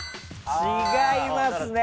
違いますねぇ。